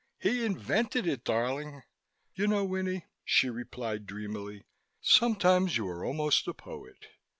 He invented it, darling." "You know, Winnie," she replied dreamily, "sometimes you are almost a poet.